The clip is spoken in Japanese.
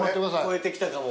超えてきたかも。